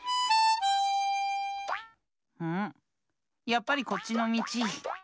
やっぱりこっちのみち！